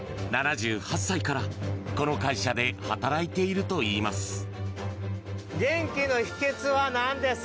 ７８歳からこの会社で働いているといいます。